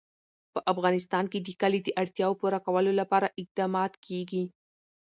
په افغانستان کې د کلي د اړتیاوو پوره کولو لپاره اقدامات کېږي.